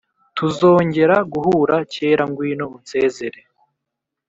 tuzongera guhura kera ngwino unsezere?